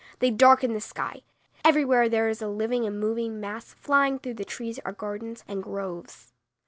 They darken the sky. Everywhere there is a living and moving mass flying through the trees or gardens and groves.